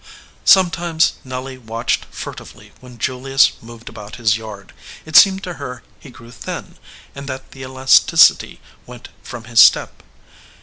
Sometimes Nelly watched furtively when Julius moved about his yard. It seemed to her he grew thin, and that the elasticity went from his step.